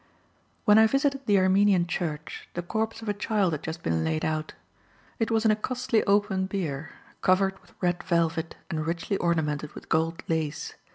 When I visited the Armenian Church, the corpse of a child had just been laid out. It was in a costly open bier, covered with red velvet and richly ornamented with gold lace.